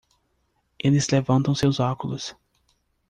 Eles levantam seus óculos.